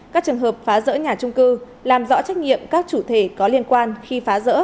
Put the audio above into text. các trường hợp phá rỡ nhà trung cư làm rõ trách nhiệm các chủ thể có liên quan khi phá rỡ